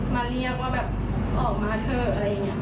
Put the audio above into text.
มาเรียกว่าแบบออกมาเถอะอะไรอย่างนี้